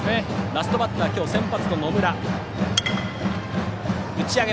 ラストバッター今日先発の野村。